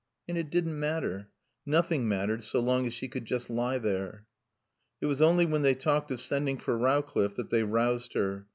And it didn't matter. Nothing mattered so long as she could just lie there. It was only when they talked of sending for Rowcliffe that they roused her.